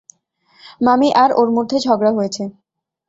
মামি আর ওর মধ্যে ঝগড়া হয়েছে।